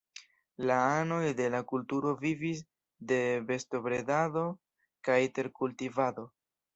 La anoj de la kulturo vivis de bestobredado kaj terkultivado.